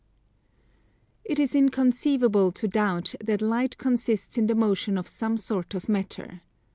It is inconceivable to doubt that light consists in the motion of some sort of matter.